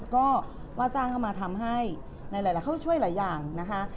ก็ว่าจ้างเข้ามาทำให้ในหลายเขาช่วยหลายอย่างนะคะ